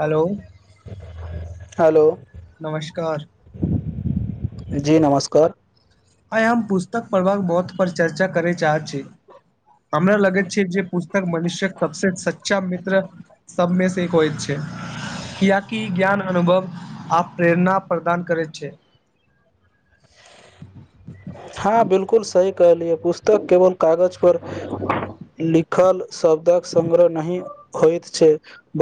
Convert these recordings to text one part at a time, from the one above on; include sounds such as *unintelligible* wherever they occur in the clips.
Hello hello. नमस्कार जी नमस्कार। आइ हम पुस्तक पढ़बाका बहुत पर चर्चा करे चाह छी हमरा लगैत छै जे पुसऽ मनुष्य सभसँ सच्चा मित्र सभमे से एक होइत छै कियाकि ज्ञान अनुभव आ प्रेरणा प्रदान करै छै ह बिल्कूल सही कहलियै पुस्तक केवल कागज पर लिख लऽ शब्द कऽ संग्रह नहि होइत छै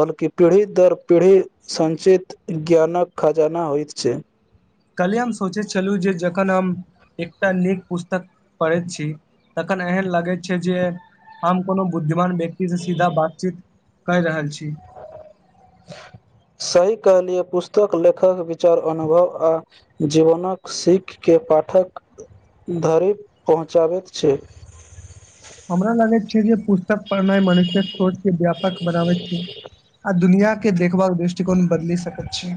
बल्कि पीढ़ी दर पीढ़ी सञचित ज्ञान कऽ खजाना होइत छै कल्हि हम सोचैत छलहुँ जे जखन हम एकटा नीक पुस्तक पढ़ैत छी तखन एहन लगैत छै जे। हम कोनो बुद्धिमान व्यक्ति से सीधा बातचीत कर रहल छी। सही कहलियै पुस्तक लेखक विचार अनुभव जीवन कऽ सीख के पाठक धरि पहुँचाबैत छै हमरा लागैत छै जे पु पढ़नाई मनुष्य कऽ सोचके व्यापकऽ बनाबैत छै आ दुनिया के के देखबा कऽ दृष्टिकोण बदलि सकैत छै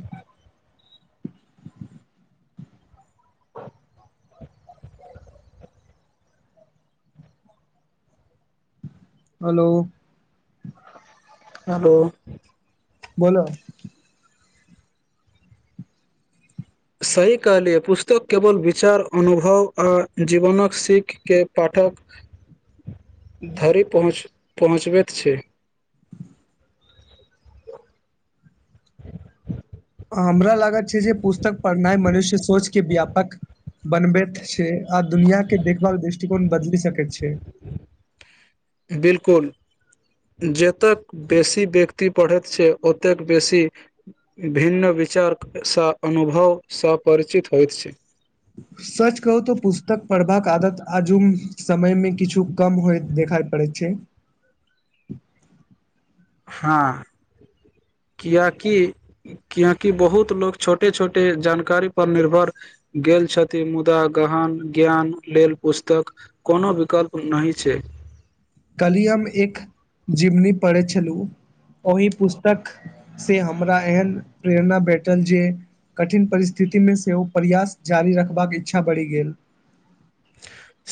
हेलो। हेलो। बोल सही कहलिये पुस्तक केवल विचार अनुभव आ जीवनक सीख के पाठक धरी पहुँच पहुँचबैत छै हमरा लागत छै जे पुस्तक पढ़नाइ मनुष्य सोच के व्यापक बनबैत छै आ दुनियाके देखभाल दृष्टिकोण बदलि सकैत छै बिल्कुल जतेक बेसी व्यक्ति पढ़ैत छै ओतेक बेसी भिन्न विचारसँ अनुभवसँ परिचित होइत छै सच कहू तऽ पुस्तक पढ़बाक आदत आजुम समयमे किछु कम होइत देखाइ पड़ै छै हां कियाकि कियाकि बहुत लोक छोटे छोटे जानकारी पर निर्भर गेल छथि मुदा गहन ज्ञान लेल पुस्तक कोनो विकल्प नहि छै कलिह हम एक जिमनी पढ़ै छलु ओहि पुस्तक से हमरा एहन प्रेरणा भेटल जे कठिन परिस्थिति में सेहो प्रयास जारी रखबाक इच्छा बढ़ि गेल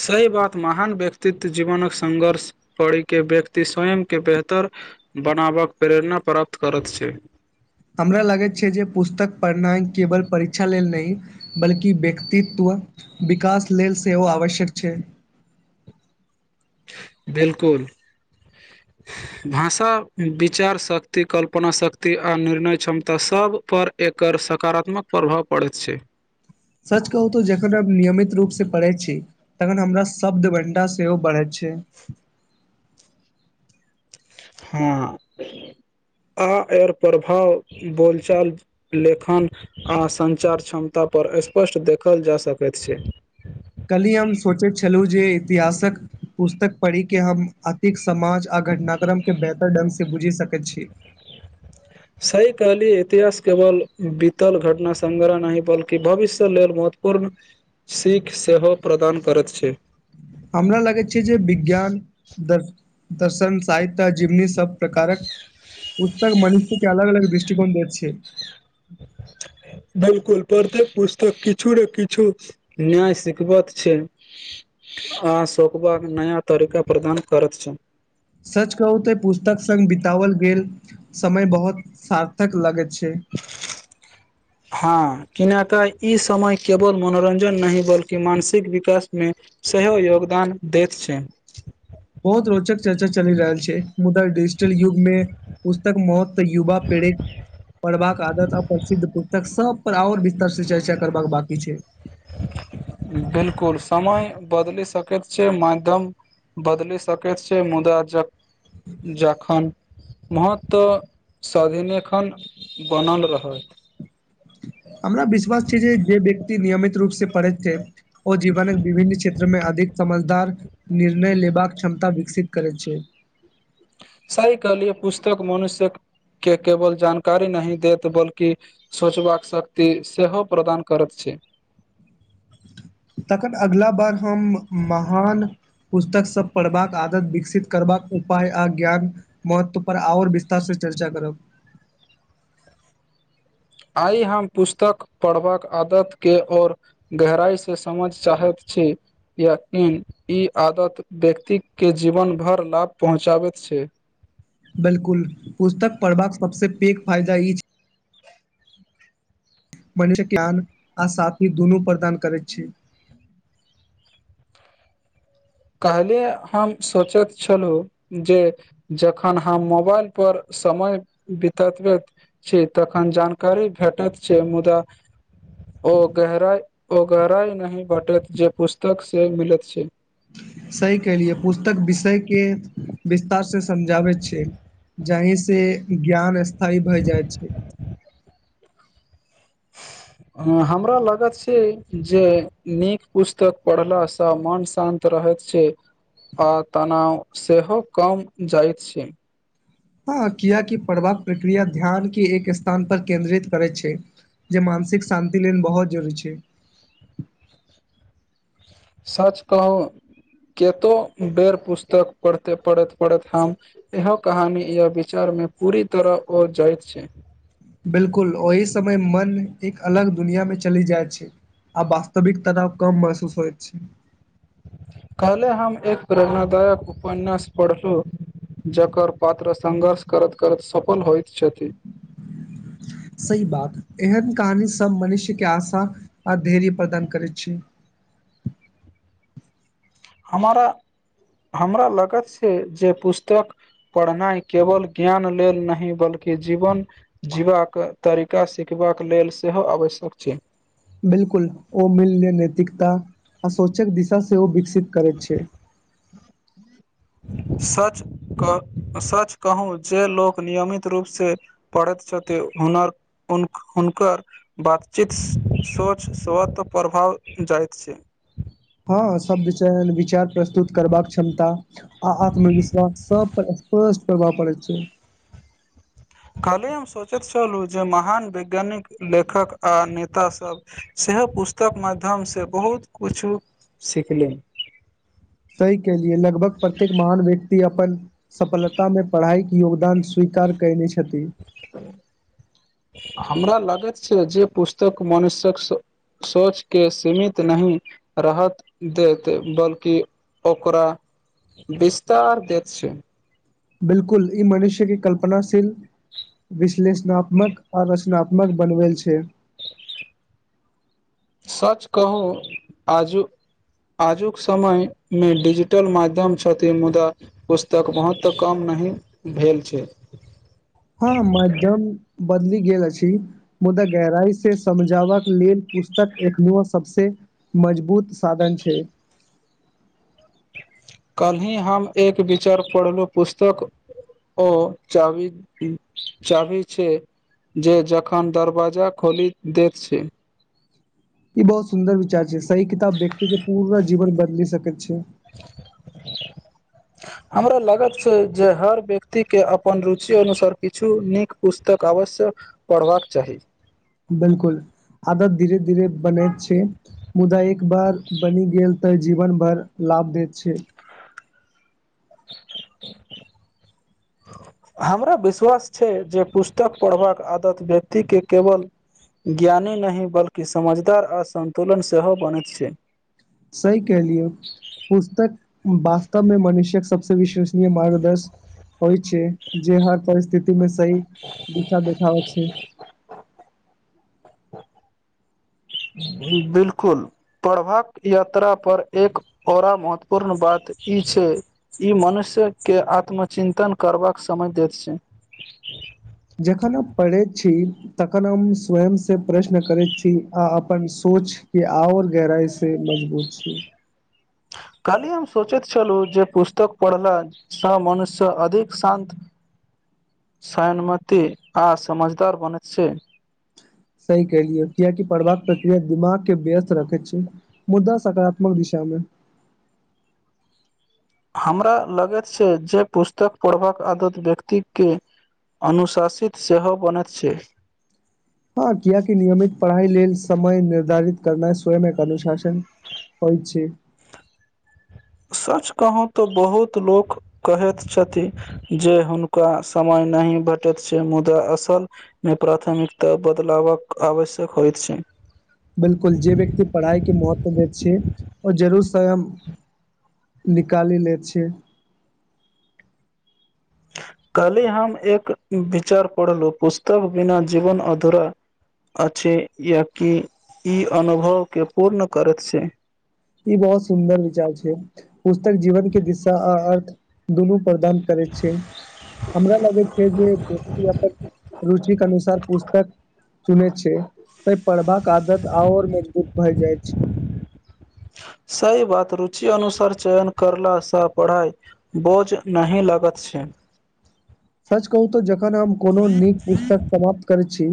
सही बात महान व्यक्तित्व जीवनक संघर्ष पढ़िक के व्यक्ति स्वयं के बेहतर बनाबक प्रेरणा प्राप्त करत छै हमरा लागैत छै जे पुस्तक पढ़नाइ केवल परीक्षा लेल नहि बल्कि व्यक्तित्व विकास लेल सेहो आवश्यक छै बिल्कुल भाषा विचार शक्ति कल्पना शक्ति आ निर्णय क्षमता सबपर एकर सकारात्मक प्रभाव पड़ैत छै सच कहू तो जखन हमब नियमित रूप स पढ़ै छी तखन हमरा शब्द घंटा सेहो बढ़ैत छै *inaudible* हँ आ एर प्रभाव बोलचाल लेखन आ संचार क्षमता पर स्पष्ट देखल जा सकैत छै कल्हि हम सोचैत छलहुँ जे इतिहासक पुस्तक पढ़िक के हम अतिक समाज आ घटनाक्रम के बेहतर ढंग से बुझि सकैत छी सही कहलिय इतिहास केवल बीतल घटना संग्रह नहि बल्कि भविष्यक लेल भूतपूर्व सीख सेहो प्रदान करैत छै हमरा लगै छै जे विज्ञान दर दर्शन साहित्य आ जिमनी सब प्रकारक उत्तर मानूख के अलग अलग दृष्टिकोण दैत छै बिल्कुल प्रत्येक पुस्तक किछु न किछु नियाय सिखबत छै आ शोकबाक नया तरीका प्रदान करैत छै सच कहू तऽ पुस्तक संग बितओल गेल समय बहोत सार्थक लगैत छै *inaudible* हँ किनाकऽ ई समय केवल मनोरंजन नहि बल्कि मानसिक विकासमे सेहो योगदान दैत छै बहुत रोचक चर्चा चलि रहल छै मुदा डिजिटल युगमे पुस्तक महत्व युवा पीड़ि पढ़बाक आदत आ प्रसिद्ध पुस्तक सब पर आओर विस्तर से चर्चा करबाक बाकी छै बिलकुल समय बदलि सकैत छै माध्यम बदलि सकैत छै मुदा ज - जखन महत्व स्वभिलेखन बनल रहत हमरा विश्वास छी जे जे व्यक्ति नियमित रूप से पढ़ैत छै ओ जीवनक विभिन्न क्षेत्र मे अधिक समझदार निर्णय लेबाक क्षमता विकसित करैत छै सही कहलियै पुस्तक मनुष्यक केँ केवल जानकारी नहि देैत बल्कि सोचबाक शक्ति सेहो प्रदान करैत छै तखन अगला बार हम महान पुस्तक सब पढ़बाक आदत विकसित करबाक उपाय आ ज्ञान महत्व पर आओर विस्तार सँ चर्चा करब आइ हम पुस्तक पढ़बाक आदत केँ आओर गहराइ से समझ चाहैत छी कियाकि ई आदत व्यक्ति केँ जीवन भर लाभ पहुँचाबैत छै बिल्कुल पुस्तक पढ़बाक सबसँ पैघ फायदा ई छै मानसिक ज्ञान आ साथीक दुनू प्रदान करैत छी कल्हि हम सोचैत छलहुँ जे जखन हम मोबाइल पर समय बिततबैत छी तखन जानकारी भेटात छै मुदा ओ गहराइ ओ गहराइ नहि भेटैत जे पुस्तक से मिलैत छै सही कहलियै पुस्तक विषय केँ विस्तार से समझाबैत छै जहि से ज्ञान स्थायी भय जाइ छै *inaudible* हमरा लागत छै जे नीक पुस्तक पढ़ला सँ मन शान्त रहैत छै आ तनाव सेहो कम जाइत छै हँ किआकि पढ़बाक प्रक्रिया ध्यान केँ एक स्थानपर केन्द्रित करैत छै जे मानसिक शान्ति लेल बहुत जरूरी छै सच कहू कतो बेर पुस्तक पढ़ते पढ़ैत - पढ़ैत हम इहो कहानी या विचार मे पूरी तरह ओ जाइत छै बिलकुल ओहि समय मन एक अलग दुनिया मे चलि जाइत छै आब वास्तविकता कम महसूस होइत छै कहले हम एक प्रेरणादायक उपन्यास पढ़लू जकर पात्र संघर्ष करत - करत सफल होइत छथि सही बात एहन कहानी सब मनुष्य केँ आशा आ धैर्य प्रदान करैत छै हमारा हमरा लागत छै जे पुस्तक पढ़नाइ केवल ज्ञान लेल नहि बल्कि जीवन जीबाक तरीका सिखबाक लेल सेहो आवश्यक छै बिलकुल ओ मूल्ये नैतिकता आ सोचक दिशा सेहो विकसित करैत छै *inaudible* सच कऽ सच कहू जे लोक नियमित रूप से पढ़ेत छथि हनर हुन - हुनक बातचीत सोच स्वत प्रभाव जाइत छै हँ सब विचाइन विचार प्रस्तुत करबाक क्षमता आ आत्मविश्वास सब पर स्पष्ट प्रभाब पड़ेत छै कहले हम सोचैत छलू जे महान वैज्ञानिक लेखक आ नेता सभ सेहो पुस्तक माध्यसँ बहुत किछु सिखली सी केलिय लगभग प्रत्येक महान व्यक्ति अपन सफलता मे पढ़ाई कऽ योगदान स्वीकार कयने छथिन हमरा लगैत छै जे पुस्तक मनुषकऽ सोच के सीमित नहि राहत देते बल्कि। ओकरा विस्तार दे छै। बिल्कूल ई मनुष्यके कल्पनाशील विश्लेषणात्मक आ रचनात्मकऽ बनवेल छै सच कहू आज आजुकऽ समय मे डिजिटल माध्यम छथिन मुदा पुस्तक महुत्व कम नहि भेल छै। हँ मध्यम बदली गेल अछि मुदा गहराई से समझाव लेल पुस्तक एखनो सभ सँ मजबूत साधन छै। कल्हि हम एक विचार पढ़लहुँ पुस्तक ओ चाबी चाबी छै। जे जखन दरवाजा खोलि देत छै ई बहुत सुन्दर विचार छै सही किताब व्यक्ति के पूरा जीवन बदली सकैत छै। *inaudible* हमरा लागत छै जे हर व्यक्ति के अपन रुचि अनुसार किछु नीक पुस्तक आवश्यकऽ पढ़बाकऽ चाही बिल्कूल आदत धीरे धीरे बने छै मुदा एक बार बनि गेल तऽ जीवन भार लाभ दैत छै *unintelligible* हमरा विश्वास छै जे पुस्तकऽ पढ़बाकऽ आदत व्यक्तिके केवल ज्ञानी नहि बल्कि समझदार आ सन्तुलन सेहो बनैत छै। सही कहलियै। पुस्तक वास्तवमे मनुष्य्यक सभसँ विश्वसनीय मार्गदर्श होई छै जे हर परिस्थिति मे सही दिशा देखाबे छै बिल्कूल प्रभात यात्रा पर एक और महत्वपूर्ण बात ई छै ई मनुष्यके आत्मचिन्तन करबाकऽ समय दैत छै जखन हम पढ़ैत छी तखन हम स्वय से प्रश्न करैत छी आ अपन सोच के आर गहराई से मजबूत छी खाली हम सोचैत छलहुँ जे पुस्तक पढ़नाई सँ मनुष्य अधिक शांत सयनमति आ समझदार बनेत छै सही कलियै कियकि पढ़बाकऽ प्रक्रिया दिमाग के व्यस्त रखैत छियै मुद्दा सकारात्मक दिशा मे हमरा लगैत छै जे पुस्तक पढ़बाकऽ आदत व्यक्तिके अनुशासित सेहो बनैत छै। ह कियाकी नियमित पढ़ाई लेल समय निर्धारित करना स्वयं एक अनुशासन होई छै सच कहू तऽ बहुत लोक कहैत छथिन जे हुनका समय नहि भेटैत छै मुदा असल मे प्राथमिकता बदलाव आवश्यक होइत छै बिलकुल जे व्यक्त पढ़ाइ के महत्व दै छैै और जरूर सयं निकालि ले छिय कली हम एक विचार पढ़लहु पुस्तक बिना जीवन अधूरा अछि या कि ई अनुभव के पूर्ण करैत छै ई बहुत सुन्दर विचार छै पुस्तक जीवन के दिशा आ अर्थ दुनू प्रदान करैत छै हमरा लगै छै जे वापक रुचिके अनुसार पुस्तक चुने छै त पढ़बाक आदत और मजबूत भए जाइत छै सही बात रुचि अनुसार चयन करला स पढ़ाइ बोझ नहि लागत छै सच कहू तऽ जखन हम कोनो नीक पुस्तक समाप्त करैत छी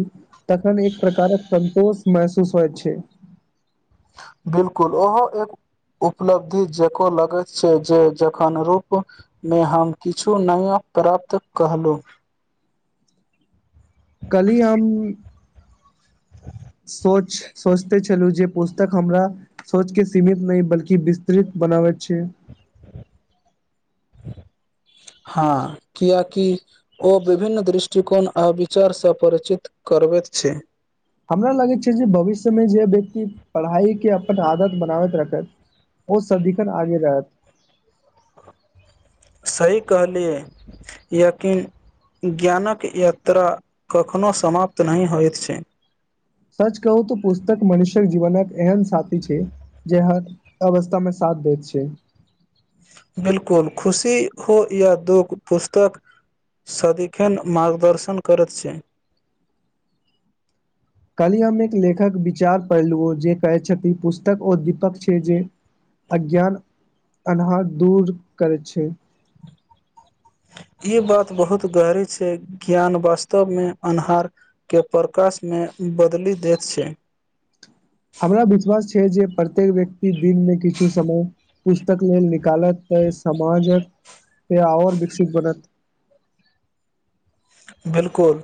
तखन एक प्रकारक संन्तोष महसूस होइत छै बिलकुल ओहो एक उपलब्धि जेको लगैत छै जे जखन रूप मे हम किछु नया प्राप्त कहलहुँ कली हमम सोच सोचते छलू जे पुस्तक हमरा सोच के सीमित नहि बल्कि विस्तृत बनाबै छै हँ कियाकि ओ विभिन्न दृष्टिकोण आ विचार सँ परिचित करबैत छै हमरा लगैत छै जे भविष्यमे जे व्यक्ति पढ़ाई के अपन आदत बनाबैत रखैत ओ सदिखन आगे रहत सही कहलियै याकिन ज्ञानक यात्रा कखनो समाप्त नहि होइत छै सच कहू तऽ पुस्तक मनुष्य्यक जीवन एहन साथी छै जे हर अवस्था मे साथ दैत छै बिलकुल खुशी हो या दुःख पुस्तक सदिखन मार्गदर्शन करैत छै काल्हि हम एक लेखक विचार पढ़लहु जे कहै छथि पुस्तक ओ दीपक छै जे अज्ञान अन्हार दूर करै छै ई बात बहुत गहरी छै ज्ञान वास्तव मे अन्हार केँ प्रकाश मे बदली देैत छै हमरा विश्वास छै जे प्रत्येक व्यक्ति दिनमें किछु समय पुस्तक लेल निकालततै समाजक केँ आओर विकसित बनत बिलकुल